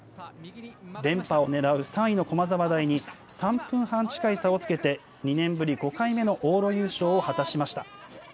連覇を狙う３位の駒沢大に３分半近い差をつけて、２年ぶり５回目の往路優勝を果たしました。